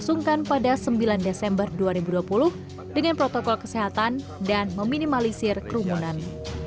disungkan pada sembilan desember dua ribu dua puluh dengan protokol kesehatan dan meminimalisir kerumunan